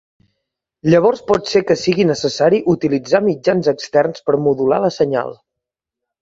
Llavors pot ser que sigui necessari utilitzar mitjans externs per modular la senyal.